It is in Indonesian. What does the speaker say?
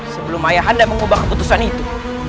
sebelum ayah anda mengubah keputusan itu